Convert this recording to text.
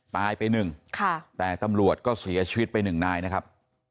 ตายไป๑แต่ตำรวจก็เสียชีวิตไป๑นายนะครับ